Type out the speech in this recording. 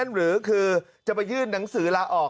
หรือคือจะไปยื่นหนังสือลาออก